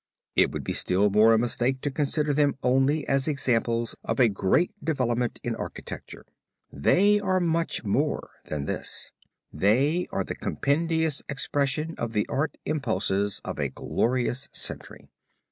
It would be still more a mistake to consider them only as examples of a great development in architecture. They are much more than this; they are the compendious expression of the art impulses of a glorious century.